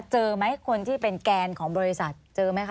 เจอไหมคนที่เป็นแกนของบริษัทเจอไหมคะ